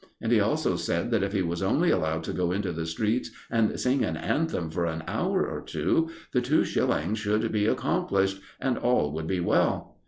And he also said that if he was only allowed to go into the streets and sing an anthem for an hour or two, the two shillings would be accomplished, and all would be well.